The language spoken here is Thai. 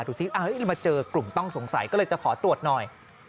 ดูสิมาเจอกลุ่มต้องสงสัยก็เลยจะขอตรวจหน่อย